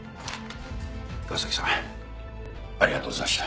川崎さんありがとうございました。